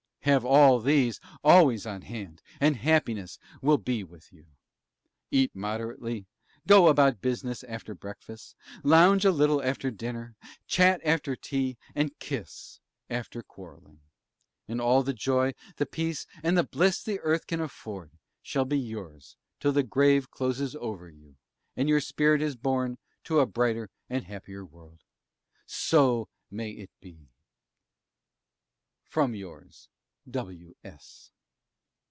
Have all these always on hand, and happiness will be with you. Eat moderately, go about business after breakfast, lounge a little after dinner, chat after tea, and kiss after quarrelling; and all the joy, the peace and the bliss the earth can afford shall be yours, till the grave closes over you, and your spirit is borne to a brighter and happier world. So may it be. From yours W. S.